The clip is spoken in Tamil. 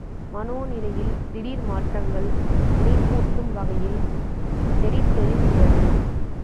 மனோ நிலையில் திடீர் மாற்றங்கள், நினைப்பூட்டும் வகையில் நெடித்தெழுகின்றன.